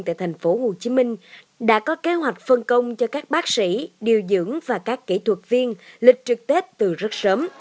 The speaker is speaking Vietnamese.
tại tp hcm đã có kế hoạch phân công cho các bác sĩ điều dưỡng và các kỹ thuật viên lịch trực tết từ rất sớm